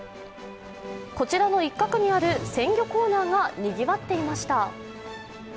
こちらの一角にある鮮魚コーナーがにぎわっていました。